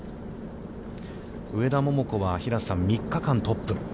上田桃子は、平瀬さん、３日間トップ。